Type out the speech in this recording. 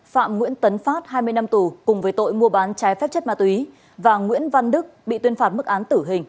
phạm nguyễn tấn phát hai mươi năm tù cùng với tội mua bán trái phép chất ma túy và nguyễn văn đức bị tuyên phạt mức án tử hình